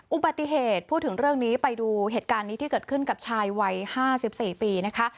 อุบัติเหตุพูดถึงเรื่องนี้ไปดูเหตุการณ์นี้ที่เกิดขึ้นกับชายวัย๕๔ปีนะคะ